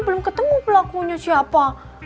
belum ketemu pelakunya siapa